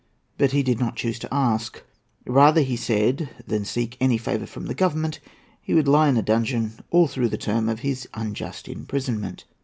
But he did not choose to ask. Rather, he said, than seek any favour from the Government, he would lie in a dungeon all through the term of his unjust imprisonment.